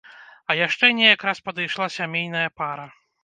А яшчэ неяк раз падышла сямейная пара.